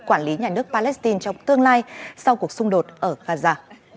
quản lý nhà nước palestine trong tương lai sau cuộc xung đột ở gaza